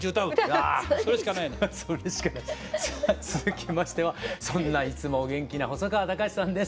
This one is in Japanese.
さあ続きましてはそんないつもお元気な細川たかしさんです。